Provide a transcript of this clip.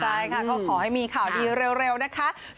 ใช่ค่ะก็ขอให้มีข่าวดีเร็วนะคะ